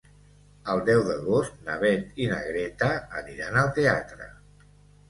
El deu d'agost na Beth i na Greta aniran al teatre.